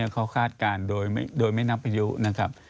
เขาคาดการณ์โดยไม่นับอายุนะครับ